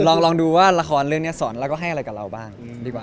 ลองดูว่าละครเรื่องนี้สอนแล้วก็ให้อะไรกับเราบ้างดีกว่า